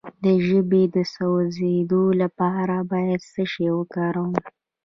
د ژبې د سوځیدو لپاره باید څه شی وکاروم؟